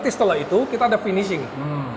setelah itu kita akan mencapai penutupan